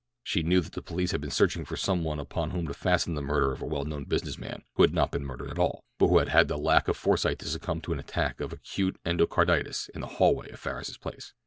She knew that the police had been searching for some one upon whom to fasten the murder of a well known business man who had not been murdered at all, but who had had the lack of foresight to succumb to an attack of acute endocarditis in the hallway of the Farris place.